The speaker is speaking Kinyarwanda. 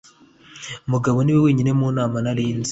Mugabo niwe wenyine mu nama nari nzi.